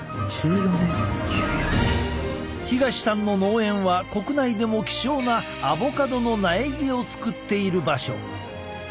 東さんの農園は国内でも希少なアボカドの苗木を作っている場所。